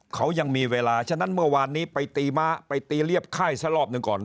เขายังมีเวลาฉะนั้นเมื่อวานนี้ไปตีม้าไปตีเรียบค่ายซะรอบหนึ่งก่อน